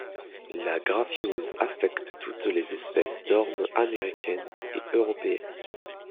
La graphiose affecte toutes les espèces d'ormes américaines et européennes.